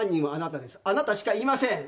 あなたしかいません。